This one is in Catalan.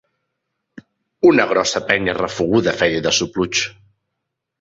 Una grossa penya rafeguda feia de sopluig.